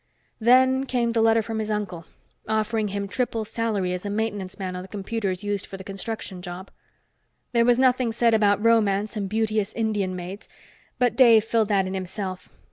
Then came the letter from his uncle, offering him triple salary as a maintenance man on the computers used for the construction job. There was nothing said about romance and beauteous Indian maids, but Dave filled that in himself.